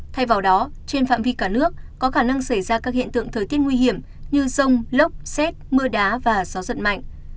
thay vào đó trên phạm vi cả nước có khả năng xảy ra các hiện tượng thời tiết nguy hiểm như rông lốc xét mưa đá và gió giật mạnh